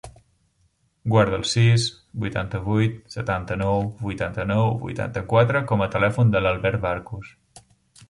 Guarda el sis, vuitanta-vuit, setanta-nou, vuitanta-nou, vuitanta-quatre com a telèfon de l'Albert Barcos.